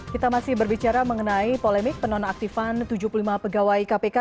kita masih berbicara mengenai polemik penonaktifan tujuh puluh lima pegawai kpk